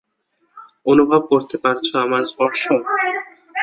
অনুভব করতে পারছ আমার স্পর্শ?